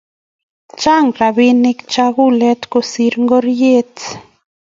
Chang rabinik chepkulet kosir ngoriet